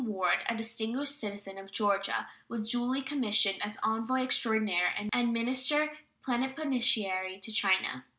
Ward, a distinguished citizen of Georgia, was duly commissioned as envoy extraordinary and minister plenipotentiary to China.